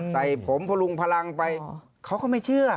ใส่ผมพลุงพลังไปเขาก็ไม่เชื่อ